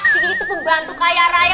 kiki itu pembantu kaya raya